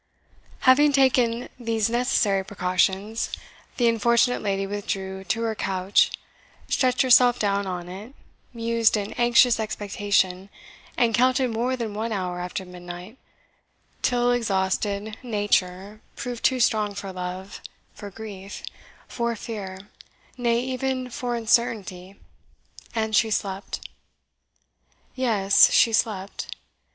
Having taken these necessary precautions, the unfortunate lady withdrew to her couch, stretched herself down on it, mused in anxious expectation, and counted more than one hour after midnight, till exhausted nature proved too strong for love, for grief, for fear, nay, even for uncertainty, and she slept. Yes, she slept.